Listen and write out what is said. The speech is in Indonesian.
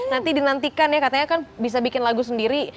nanti dinantikan ya katanya kan bisa bikin lagu sendiri